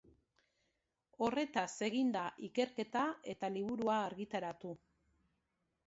Horretaz egin da ikerketa eta liburua argitaratu.